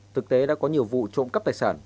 thực tế đã có nhiều vụ trộm cắp tài sản